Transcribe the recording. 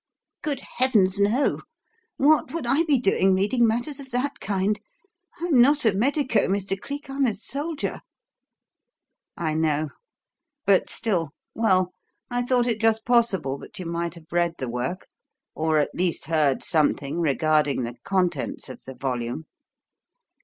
"Good heavens, no! What would I be doing reading matters of that kind? I'm not a medico, Mr. Cleek I'm a soldier." "I know. But, still well, I thought it just possible that you might have read the work, or, at least, heard something regarding the contents of the volume.